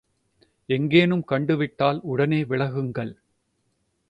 எங்கேனும் கண்டு விட்டால் உடனே விலகுங்கள்.